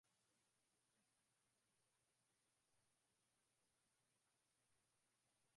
katika lugha mbalimbali kama walivyotumia Walutherani Protestanti